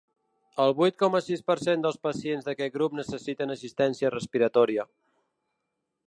El vuit coma sis per cent dels pacients d’aquest grup necessiten assistència respiratòria.